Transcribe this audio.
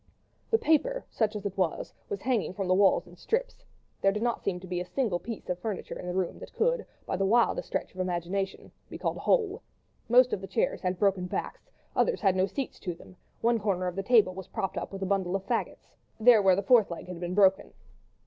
The paper, such as it was, was hanging from the walls in strips; there did not seem to be a single piece of furniture in the room that could, by the wildest stretch of imagination, be called "whole." Most of the chairs had broken backs, others had no seats to them, one corner of the table was propped up with a bundle of faggots, there where the fourth leg had been broken.